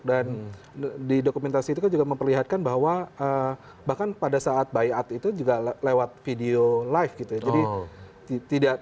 dan di dokumentasi itu kan juga memperlihatkan bahwa bahkan pada saat by ad itu juga lewat video live gitu ya